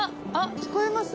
聞こえます？